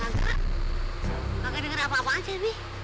gak denger apa apaan shelby